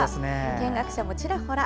見学者も、ちらほら。